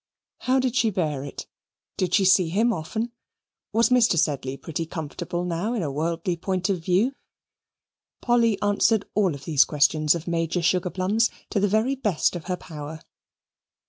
How did she bear it? Did she see him often? Was Mr. Sedley pretty comfortable now in a worldly point of view? Polly answered all these questions of Major Sugarplums to the very best of her power.